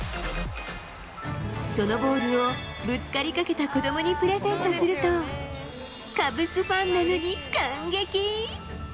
そのボールをぶつかりかけた、子どもにプレゼントすると、カブスファンなのに感激！